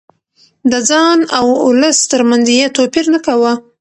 د ځان او ولس ترمنځ يې توپير نه کاوه.